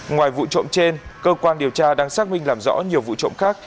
ngoài vụ trộm trên cơ quan điều tra đang xác minh làm rõ nhiều vụ trộm khác